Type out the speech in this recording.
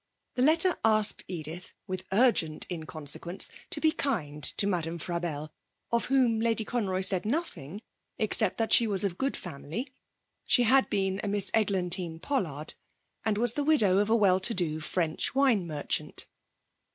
The letter asked Edith, with urgent inconsequence, to be kind to Madame Frabelle, of whom Lady Conroy said nothing except that she was of good family she had been a Miss Eglantine Pollard and was the widow of a well to do French wine merchant.